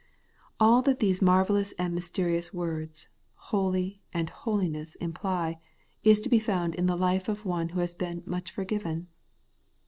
AU that these marvellous and mysterious words ' holy ' and ' holiness ' imply, is to be found in the life of one who has been * much forgiven.'